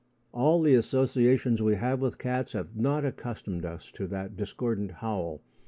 All the associations we have with cats have not accustomed us to that discordant howl.